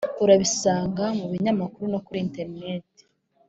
urabisanga mu binyamakuru no kuri interineti